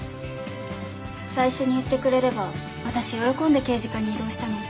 最初に言ってくれれば私喜んで刑事課に異動したのに。